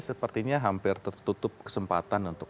sepertinya hampir tertutup kesempatan untuk